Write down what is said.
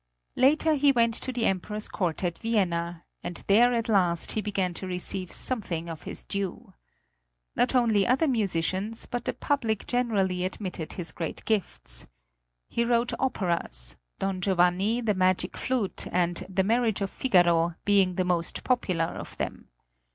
Later he went to the Emperor's court at Vienna, and there at last he began to receive something of his due. Not only other musicians, but the public generally admitted his great gifts. He wrote operas, "Don Giovanni," "The Magic Flute," and "The Marriage of Figaro," being the most popular of them.